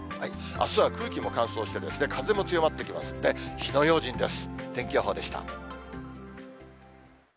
あすは空気も乾燥して、風も強まってきますので、火の用心です。